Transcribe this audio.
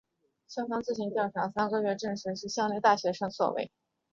校方自行调查三个月后证实是教大校内学生所为。